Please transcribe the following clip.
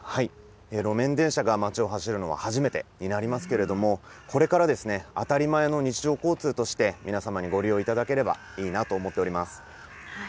路面電車が街を走るのは初めてになりますけれども、これから、当たり前の日常交通として皆様にご利用いただければいいなと思っております。